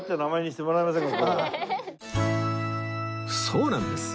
そうなんです